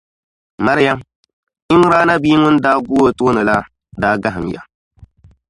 Mariyam, Imraana bia so ŋun daa gu o tooni la, daa gahim ya